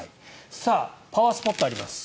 パワースポットあります。